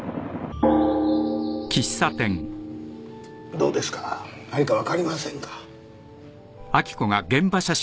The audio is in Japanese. どうですか何か分かりませんか？